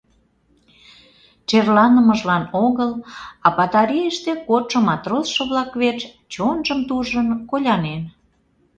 Черланымыжлан огыл, а батарейыште кодшо матросшо-влак верч чонжым туржын, колянен.